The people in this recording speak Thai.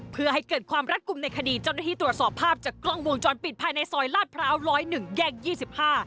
เพื่อให้เกิดความรัดกลุ่มในคดีเจ้าหน้าที่ตรวจสอบภาพจากกล้องวงจรปิดภายในซอยลาดพร้าวร้อยหนึ่งแยกยี่สิบห้า